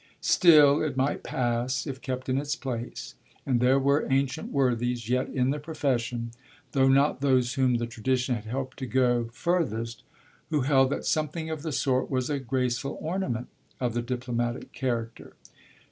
Still, it might pass if kept in its place; and there were ancient worthies yet in the profession though not those whom the tradition had helped to go furthest who held that something of the sort was a graceful ornament of the diplomatic character.